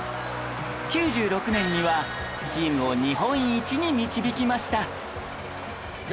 ９６年にはチームを日本一に導きました